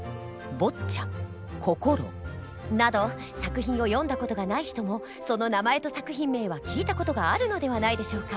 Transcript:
「坊っちゃん」「こころ」など作品を読んだ事がない人もその名前と作品名は聞いた事があるのではないでしょうか。